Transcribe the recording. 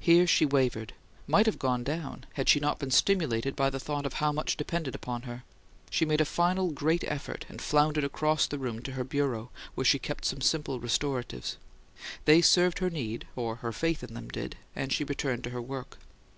Here she wavered; might have gone down, had she not been stimulated by the thought of how much depended upon her; she made a final great effort, and floundered across the room to her bureau, where she kept some simple restoratives. They served her need, or her faith in them did; and she returned to her work.